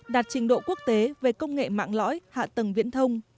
đạt trình độ quốc tế về công nghệ mạng lõi hạ tầng viễn thông